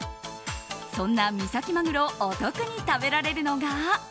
そんな三崎マグロをお得に食べられるのが。